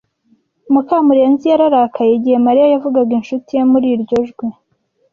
Mukamurenzi yararakaye igihe Mariya yavugaga inshuti ye muri iryo jwi.